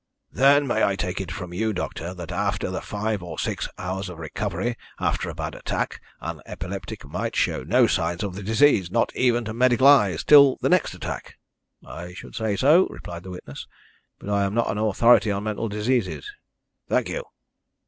"Then, may I take it from you, doctor, that after the five or six hours recovery after a bad attack an epileptic might show no signs of the disease not even to medical eyes till the next attack?" "I should say so," replied the witness. "But I am not an authority on mental diseases." "Thank you."